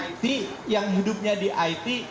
pelanggan teknis bagi orang it yang hidupnya di it